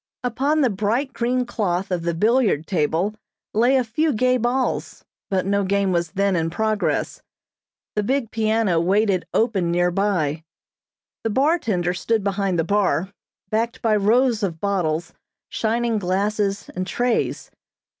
Upon the bright green cloth of the billiard table lay a few gay balls, but no game was then in progress. The big piano waited open near by. The bartender stood behind the bar, backed by rows of bottles, shining glasses and trays.